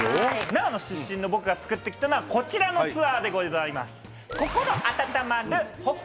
長野出身の僕がつくってきたのはこちらのツアーでございます！